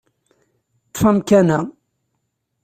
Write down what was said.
Ṭṭef amkan-a.